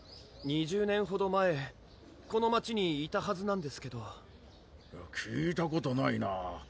２０年ほど前この街にいたはずなんですけど聞いたことないなぁ